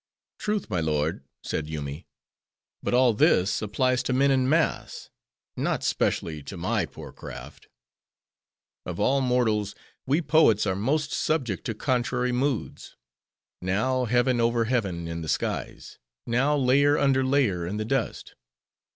"Truth, my lord," said Yoomy, "but all this applies to men in mass; not specially, to my poor craft. Of all mortals, we poets are most subject to contrary moods. Now, heaven over heaven in the skies; now layer under layer in the dust.